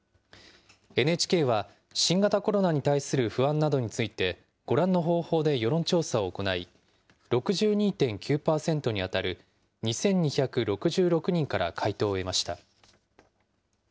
ＮＨＫは、新型コロナに対する不安などについて、ご覧の方法で世論調査を行い、６２．９％に当たる２２６６人から回答を得ました。